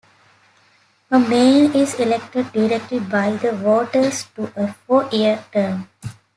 A mayor is elected directly by the voters to a four-year term.